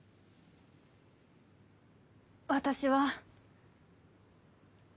私は。